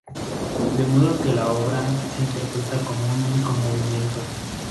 De modo que la obra se interpreta como un único movimiento.